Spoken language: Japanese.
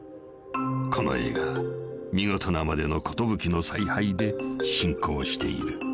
［この映画見事なまでの寿の采配で進行している］